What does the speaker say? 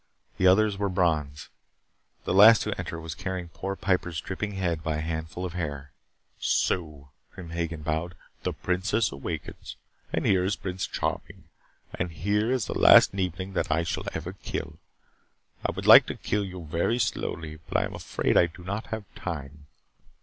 The others were Brons. The last to enter was carrying poor Piper's dripping head by a handful of hair. "So." Grim Hagen bowed. "The Princess awakens. And here is Prince Charming. And here is the last Neebling that I shall ever kill. I would like to kill you very slowly, but I am afraid I do not have time.